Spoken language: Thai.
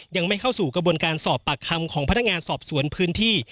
ยังไม่เข้าสู่กระบวนการสอบปากคำของพนักงานสอบสวนพื้นที่